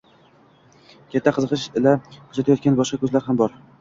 qattiq qiziqish ila kuzatayotgan boshqa ko‘zlar ham bor edi.